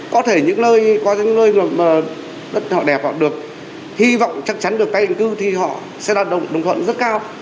có thể những nơi đất họ đẹp họ được hy vọng chắc chắn được các định cư thì họ sẽ đạt đồng thuận rất cao